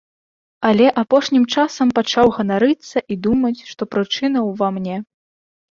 Але апошнім часам пачаў ганарыцца і думаць, што прычына ўва мне.